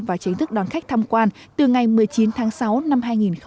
và chính thức đón khách tham quan từ ngày một mươi chín tháng sáu năm hai nghìn hai mươi